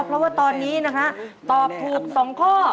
เพราะว่าตอนนี้นะฮะตอบถูก๒ข้อ